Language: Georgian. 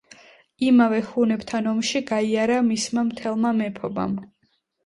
იმავე ჰუნებთან ომში გაიარა მისმა მთელმა მეფობამ.